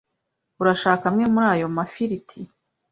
Urashaka amwe muri ayo mafiriti?